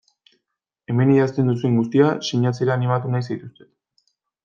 Hemen idazten duzuen guztia sinatzera animatu nahi zaituztet.